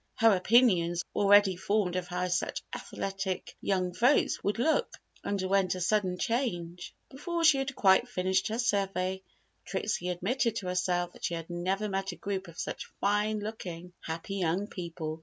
Her opinions, already formed of how such athletic young folks would look, underwent a sudden change. Before she had quite finished her survey, Trixie admitted to herself that she had never met a group of such fine looking happy young people.